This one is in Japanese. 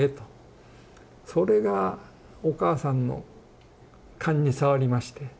それがお母さんのかんに障りまして。